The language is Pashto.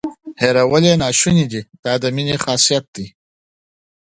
هیرول یې ناشونې دي دا د مینې خاصیت دی.